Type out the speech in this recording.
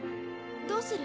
どうする？